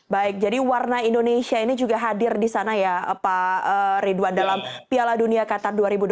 baik jadi warna indonesia ini juga hadir di sana ya pak ridwan dalam piala dunia qatar dua ribu dua puluh